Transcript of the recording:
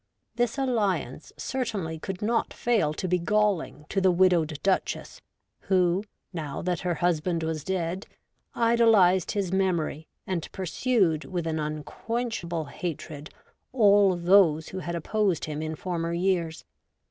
This alliance certainly could not fail to be galling to the widowed Duchess, who, now that her husband was dead, idolised his memory and pursued with an un quenchable hatred all those who had opposed him in former years.